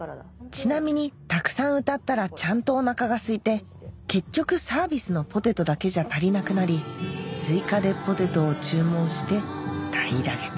ちなみにたくさん歌ったらちゃんとお腹がすいて結局サービスのポテトだけじゃ足りなくなり追加でポテトを注文して平らげた